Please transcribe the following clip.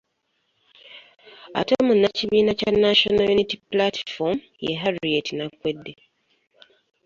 Ate Munnakibiina kya National Unity Platform, ye Harriet Nakweede